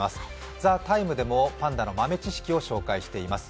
「ＴＨＥＴＩＭＥ，」でもパンダの豆知識を紹介しています。